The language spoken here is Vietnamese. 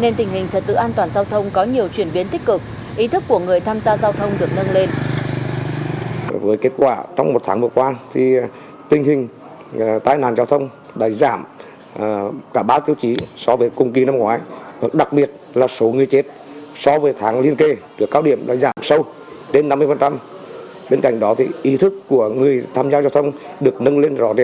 nên tình hình trật tự an toàn giao thông có nhiều chuyển biến tích cực ý thức của người tham gia giao thông được nâng lên